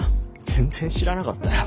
全然知らなかったよ。